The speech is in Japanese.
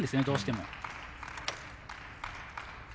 どうしても。